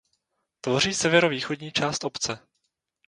Tvoří severovýchodní část obce.